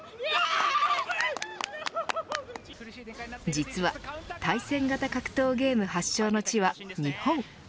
実は対戦型格闘ゲーム発祥の地は日本。